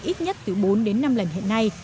ít nhất từ bốn đến năm lần hiện nay